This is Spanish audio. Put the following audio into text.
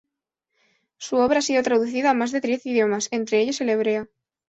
Su obra ha sido traducida a más de diez idiomas, entre ellos el hebreo.